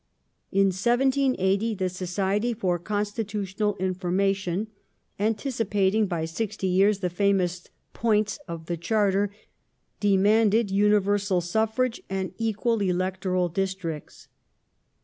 In 1780 the Society for Constitutional Information, antici pating by sixty years the famous '* points " of the Charter, demanded' univei sal suffrage and equal electoral districts.